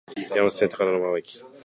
山手線、高田馬場駅